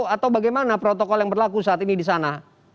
atau bagaimana protokol yang berlaku saat ini di sana